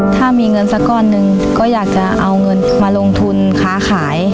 ถ้ามีเงินสักก้อนหนึ่งก็อยากจะเอาเงินมาลงทุนค้าขาย